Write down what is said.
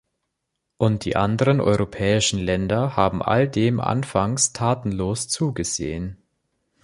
Und die anderen europäischen Länder haben all dem anfangs tatenlos zugesehen.